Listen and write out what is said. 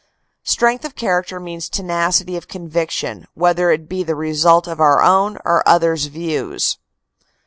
Strength of character means tenacity of convic tion, whether it be the result of our own or others views."